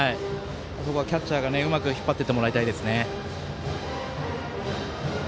キャッチャーがうまく引っ張ってってもらいたいです。